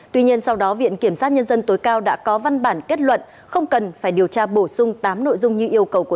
tuy nhiên sau đó viện kiểm sát nhân dân tối cao đã có văn bản kết luận không cần phải điều tra bổ sung tám nội dung như yêu cầu của